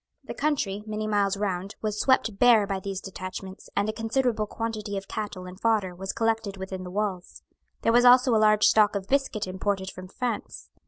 The country, many miles round, was swept bare by these detachments, and a considerable quantity of cattle and fodder was collected within the walls. There was also a large stock of biscuit imported from France.